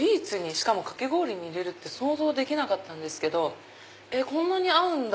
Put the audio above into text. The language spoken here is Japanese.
しかもかき氷に入れるって想像できなかったんですけどこんなに合うんだ。